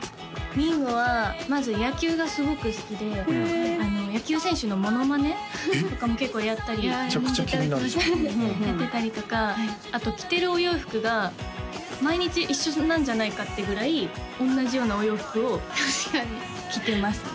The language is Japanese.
みんごはまず野球がすごく好きで野球選手のモノマネとかも結構やったりめちゃくちゃ気になるじゃんやってたりとかあと着てるお洋服が毎日一緒なんじゃないかってぐらい同じようなお洋服を着てますね